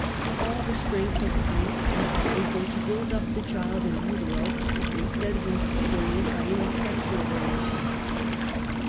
All the strength of mind and body go to build up the child in utero, instead of en feebling it by any sexual relation.